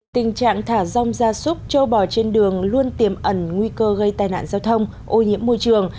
tình trạng thả rong gia súc châu bò trên đường luôn tiềm ẩn nguy cơ gây tai nạn giao thông ô nhiễm môi trường